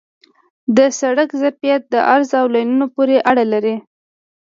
د سړک ظرفیت د عرض او لینونو پورې اړه لري